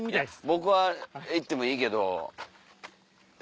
僕は行ってもいいけど。